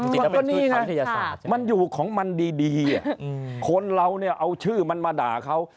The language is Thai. มันก็นี่นะมันอยู่ของมันดีคนเราเนี่ยเอาชื่อมันมาด่าเขา